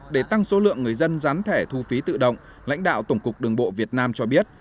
để tăng số lượng người dân gián thẻ thu phí tự động lãnh đạo tổng cục đường bộ việt nam cho biết